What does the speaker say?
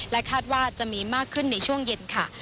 คาดว่าจะมีมากขึ้นในช่วงเย็นค่ะ